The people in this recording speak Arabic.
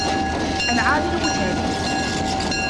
الْعَامِلُ مُتْعِبٌ.